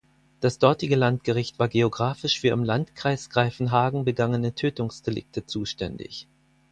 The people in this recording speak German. Das dortige Landgericht war geographisch für im Landkreis Greifenhagen begangene Tötungsdelikte zuständig.